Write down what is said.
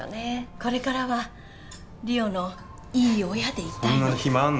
これからは梨央のいい親でいたいのそんな暇あんの？